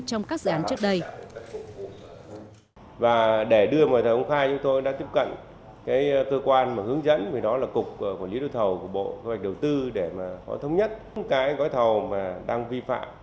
trong các dự án trước đây